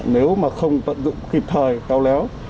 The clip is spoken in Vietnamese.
nếu mà không tận dụng kịp thời cao léo